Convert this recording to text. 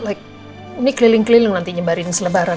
ini keliling keliling nanti nyebarin selebaran